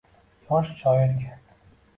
Yosh shoirga